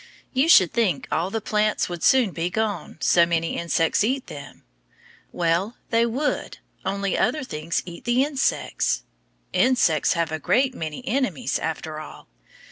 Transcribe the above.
You should think all the plants would soon be gone, so many insects eat them? Well, they would, only other things eat the insects. Insects have a great many enemies, after all.